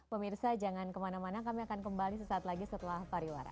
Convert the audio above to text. pemirsa jangan kemana mana kami akan kembali sesaat lagi setelah pariwara